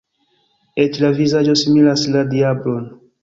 Eĉ la vizaĝo similas la diablon!